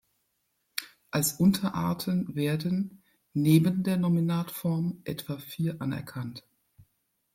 Als Unterarten werden neben der Nominatform etwa vier anerkannt.